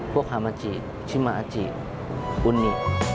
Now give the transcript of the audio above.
พวกฮามาจิชิมาจิอุนนิ